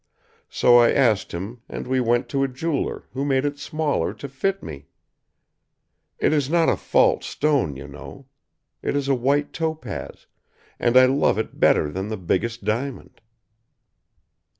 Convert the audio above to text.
So I asked him, and we went to a jeweler, who made it smaller to fit me. It is not a false stone, you know. It is a white topaz, and I love it better than the biggest diamond."